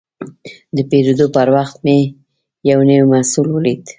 د پیرود پر وخت مې یو نوی محصول ولید.